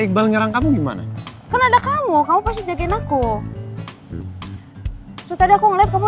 iqbal nyerang kamu gimana kan ada kamu kamu pasti jagain aku setelah aku ngeliat kamu